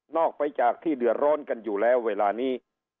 อกจากที่เดือดร้อนกันอยู่แล้วเวลานี้